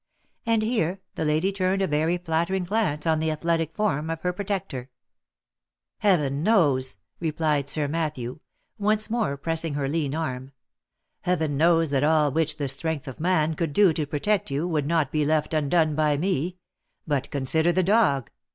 — and here the lady turned a very flattering glance on the athletic form of her protector —" Heaven knows," replied Sir Matthew, once more pressing her lean arm, " Heaven knows that all which the strength of man could do to protect you, would not be left undone by me — but consider the dog!"